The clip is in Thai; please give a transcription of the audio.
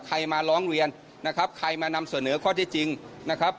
มาร้องเรียนนะครับใครมานำเสนอข้อที่จริงนะครับ